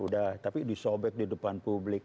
udah tapi disobek di depan publik